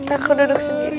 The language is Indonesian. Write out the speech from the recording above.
aku duduk sendiri